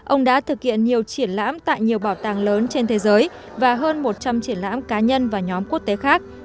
ông đã thực hiện nhiều triển lãm tại nhiều bảo tàng lớn trên thế giới và hơn một trăm linh triển lãm cá nhân và nhóm quốc tế khác